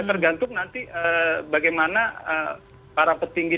tergantung nanti bagaimana para petinggi